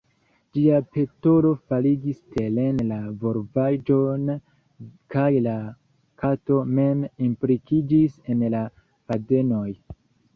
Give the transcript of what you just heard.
Ĝia petolo faligis teren la volvaĵon kaj la kato mem implikiĝis en la fadenoj.